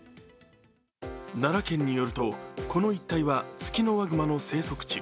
奈良県によるとこの一帯はツキノワグマの生息地。